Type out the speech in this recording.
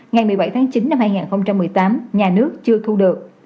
ngày một mươi bảy tháng chín năm hai nghìn một mươi tám nhà nước chưa thu được